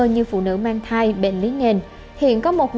như phụ nữ mang thai bệnh lý nghền hiện có một sáu trăm linh chín dường